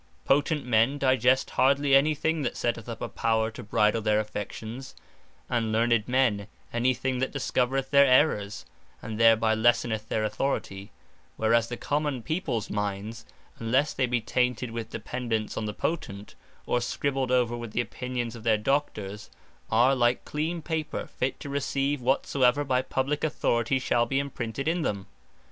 Potent men, digest hardly any thing that setteth up a Power to bridle their affections; and Learned men, any thing that discovereth their errours, and thereby lesseneth their Authority: whereas the Common peoples minds, unlesse they be tainted with dependance on the Potent, or scribbled over with the opinions of their Doctors, are like clean paper, fit to receive whatsoever by Publique Authority shall be imprinted in them.